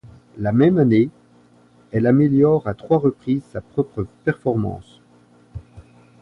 La même année, elle améliore à trois reprises sa propre performance.